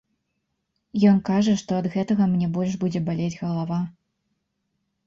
Ён кажа, што ад гэтага мне больш будзе балець галава.